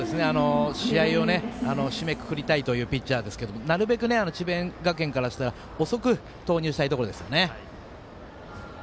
試合を締めくくりたいというピッチャーですけれどもなるべく智弁学園からしたら遅く投入したいところですよね。